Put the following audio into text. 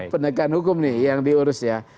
penegakan hukum nih yang diurus ya